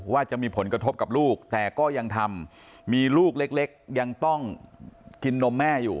ว่าจะมีผลกระทบกับลูกแต่ก็ยังทำมีลูกเล็กยังต้องกินนมแม่อยู่